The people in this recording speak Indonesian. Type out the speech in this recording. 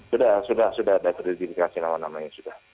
sudah sudah ada identifikasi nama namanya